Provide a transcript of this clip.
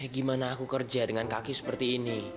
gimana aku kerja dengan kaki seperti ini